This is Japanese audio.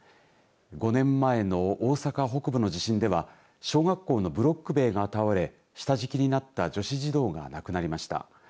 ５年前の大阪北部の地震では小学校のブロック塀が倒れ下敷きになった女子児童が亡くなりました。